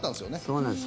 そうなんです。